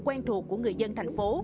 quen thuộc của người dân thành phố